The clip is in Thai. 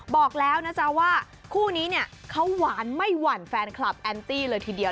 บอกแล้วนะจ๊ะว่าคู่นี้เนี่ยเขาหวานไม่หวั่นแฟนคลับแอนตี้เลยทีเดียว